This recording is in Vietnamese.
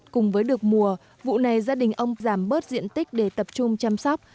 cùng với được mùa vụ này gia đình ông giảm bớt diện tích để tập trung chăm sóc